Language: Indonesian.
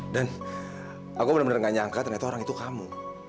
dan aku benar benar gak nyangka ternyata orang itu kamu